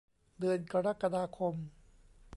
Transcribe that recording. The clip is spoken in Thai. เดือนกรกฎาคม